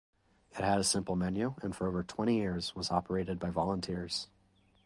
It had a simple menu and for over twenty years was operated by volunteers.